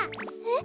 え？